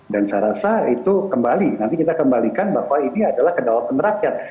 dan saya rasa itu kembali nanti kita kembalikan bahwa ini adalah kedalaman rakyat